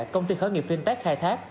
công ty khởi nghiệp fintech khai thác